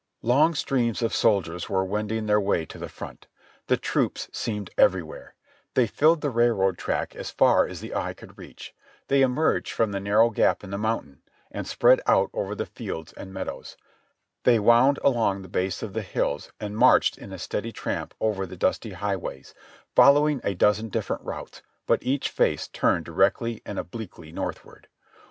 Long streams of soldiers were wending their way to the front. The troops seemed everywhere; they filled the railroad track as far as the eye could reach ; they emerged from the narrow gap in the mountain, and spread out over the fields and meadows; they wound along the base of the hills, and marched in a steady tramp over the dusty highways ; following a dozen different routes, but each face turned directly or obliquely northward.